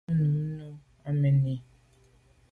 Me num nu à bû mèn i.